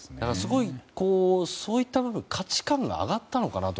そういった部分価値観が上がったのかなと。